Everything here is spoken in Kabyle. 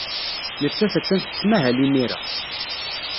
Nettat attan tettmahal imir-a.